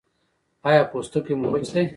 ایا پوستکی مو وچ دی؟